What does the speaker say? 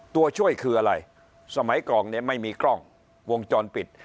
ตัวช่วยคืออะไรสมัยก่อนเนี่ยไม่มีกล้องวงจรปิด